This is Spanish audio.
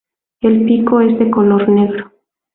El pico es de color negro.